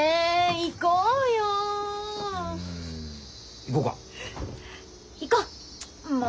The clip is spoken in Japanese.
行こう！